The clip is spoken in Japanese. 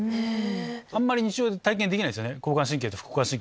あんまり日常で体験できないですよね。